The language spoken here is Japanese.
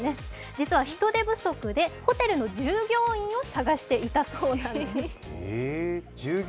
実は人手不足でホテルの従業員を探していたそうなんです。